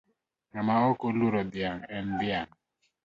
Ng'ama ok oluoro dhiang' en dhiang'.